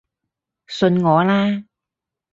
信我啦